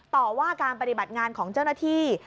ต่อว่าการปฏิบัติงานของเจ้าหน้าที่